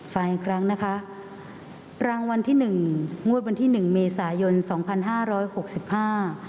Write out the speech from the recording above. ฟังอีกครั้งนะคะรางวัลที่หนึ่งงวดวันที่หนึ่งเมษายนสองพันห้าร้อยหกสิบห้า